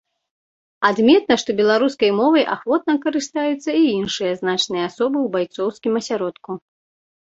Адметна, што беларускай мовай ахвотна карыстаюцца і іншыя значныя асобы ў байцоўскім асяродку.